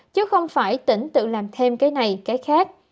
chứ không phải tỉnh tự làm thêm cái này cái khác